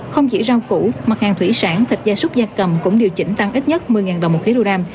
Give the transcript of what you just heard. không chỉ rau củ mặt hàng thủy sản thịt da súc da cầm cũng điều chỉnh tăng ít nhất một mươi ngàn đồng một kg